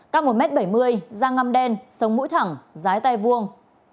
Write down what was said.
các một m bảy mươi da ngăm đen sống mũi thẳng giái tay vuông